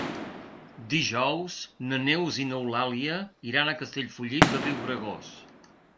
Dijous na Neus i n'Eulàlia iran a Castellfollit de Riubregós.